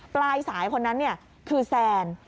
ปลายสายคนนั้นคือแซน